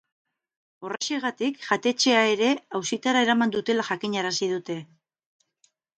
Horrexegatik, jatetxeaere auzitara eraman dutela jakinarazi dute.